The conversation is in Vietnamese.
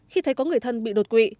khi thấy có người thân bị đột quỵ